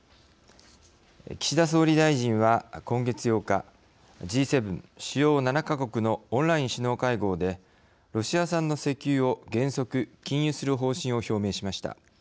岸田総理大臣は今月８日Ｇ７＝主要７か国のオンライン首脳会合でロシア産の石油を原則禁輸する方針を表明しました。